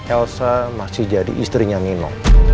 elsa masih jadi istrinya nino